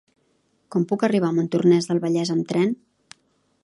Com puc arribar a Montornès del Vallès amb tren?